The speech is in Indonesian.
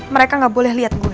mereka gak boleh lihat gue